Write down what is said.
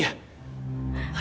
iya ini bener bener gila